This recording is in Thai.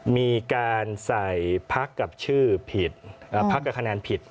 มีการใส่พักกับชื่อผิดพักกับคะแนนผิด